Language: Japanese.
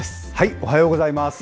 おはようございます。